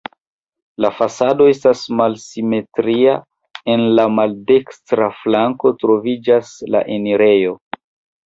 La fasado estas malsimetria, en la maldekstra flanko troviĝas la enirejo.